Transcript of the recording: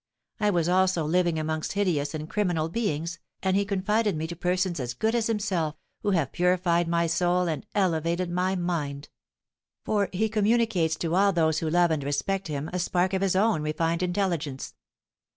I was also living amongst hideous and criminal beings, and he confided me to persons as good as himself, who have purified my soul and elevated my mind; for he communicates to all those who love and respect him a spark of his own refined intelligence.